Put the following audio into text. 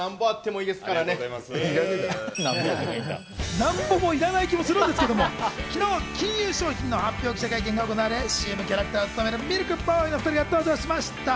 なんぼもいらない気がするんですが、昨日、金融商品の発表記者会見が行われＣＭキャラクターを務めるミルクボーイのお２人が登場しました。